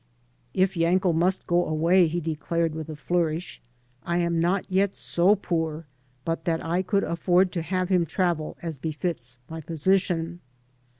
"If Yankel' must go away," he declared, with a floiuish, "I am not yet so poor but that I could afford to have him travel as befits my position."